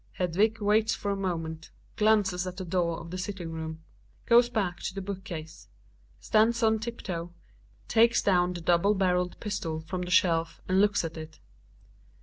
Hedvig waits for a moment, glances at the door of the sit ting room ; goes back to the hook case, stands on tip toe, takes down the double barreled pistol from the shelf and looks at it.